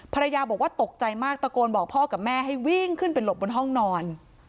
ภรรยาบอกว่าตกใจมากตะโกนบอกพ่อกับแม่ให้วิ่งขึ้นไปหลบบนห้องนอน